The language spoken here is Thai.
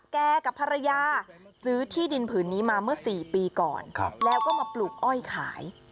กับภรรยาซื้อที่ดินผืนนี้มาเมื่อ๔ปีก่อนแล้วก็มาปลูกอ้อยขาย